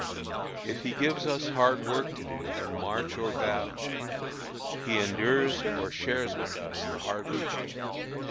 If he gives us hard work to do in march or battle, he endures or shares with us the hardship.